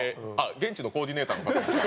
現地のコーディネーターの方です。